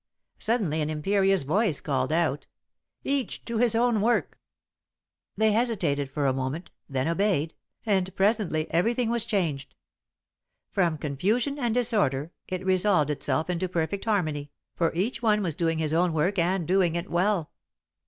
"Suddenly an imperious voice called out: 'Each to his own work!' They hesitated for a moment, then obeyed, and presently everything was changed. From confusion and disorder it resolved itself into perfect harmony, for each one was doing his own work and doing it well.